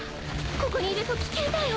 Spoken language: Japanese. ここにいると危険だよ。